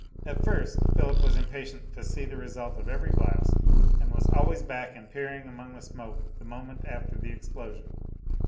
At first Philip was impatient to see the result of every blast, and was always back and peering among the smoke the moment after the explosion.